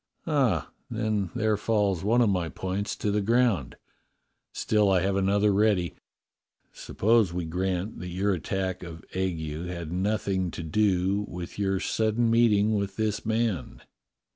"Ah, then there falls one of my points to the ground. Still I have another ready. Suppose we grant that your attack of ague had nothing to do with your sudden meeting with this man."